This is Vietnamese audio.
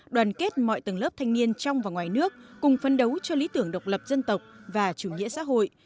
đoàn kết mọi tầng lớp thanh niên trong và ngoài nước cùng phân đấu cho lý tưởng độc lập dân tộc và chủ nghĩa xã hội